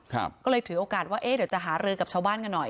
ก็เลยถือโอกาสว่าเอ๊ะเดี๋ยวจะหารือกับชาวบ้านกันหน่อย